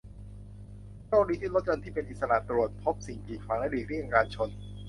โชคดีที่รถยนต์ที่เป็นอิสระตรวจพบสิ่งกีดขวางและหลีกเลี่ยงการชน